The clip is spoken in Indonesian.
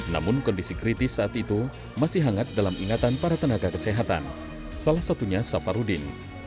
namun kondisi kritis saat itu masih hangat dalam ingatan para tenaga kesehatan salah satunya safarudin